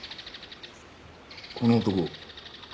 この男。